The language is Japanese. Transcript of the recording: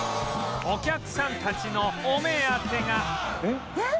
お客さんたちのお目当てがえっ！？